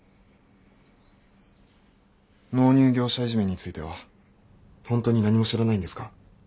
納入業者いじめについてはホントに何も知らないんですか？